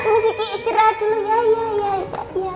mas kiki istirahat dulu ya ya ya